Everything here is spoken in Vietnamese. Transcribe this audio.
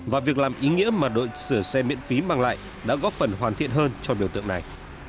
và việc làm ý nghĩa mà đội sửa xe miễn phí mang lại đã góp phần hoàn thiện hơn cho biểu tượng này